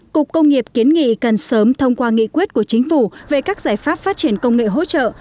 cục công nghiệp kiến nghị cần sớm thông qua nghị quyết của chính phủ về các giải pháp phát triển công nghệ hỗ trợ